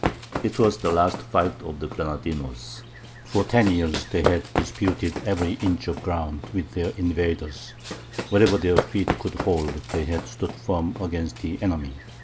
It was the last fight of the Granadinos. For ten years they had disputed every inch of ground with their invaders; wherever their feet could hold they had stood firm against the enemy.